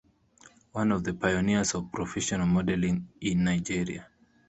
One of the pioneers of professional modelling in Nigeria.